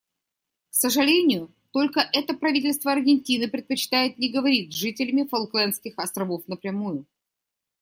К сожалению, только это правительство Аргентины предпочитает не говорить с жителями Фолклендских островов напрямую.